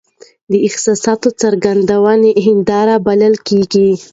د احساساتو د څرګندوني هنداره بلل کیږي .